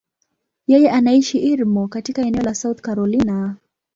Yeye anaishi Irmo, katika eneo la South Carolina.